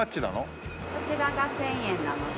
こちらが１０００円なので。